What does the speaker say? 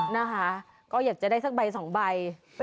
นะคะก็อยากจะได้สักใบสองใบ